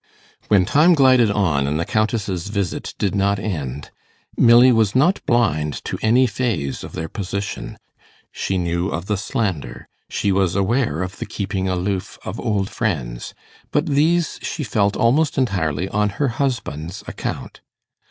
When time glided on, and the Countess's visit did not end, Milly was not blind to any phase of their position. She knew of the slander; she was aware of the keeping aloof of old friends; but these she felt almost entirely on her husband's account.